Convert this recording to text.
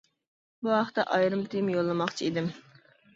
بۇ ھەقتە ئايرىم تېما يوللىماقچى ئىدىم.